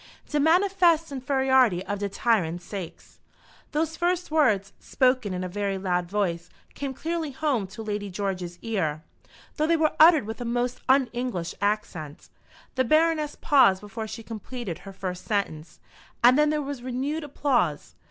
"De manifest infairiority of de tyrant saix ." Those first words, spoken in a very loud voice, came clearly home to Lady George's ear, though they were uttered with a most un English accent. The Baroness paused before she completed her first sentence, and then there was renewed applause.